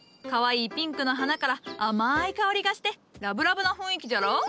かわいいピンクの花から甘い香りがしてラブラブな雰囲気じゃろ？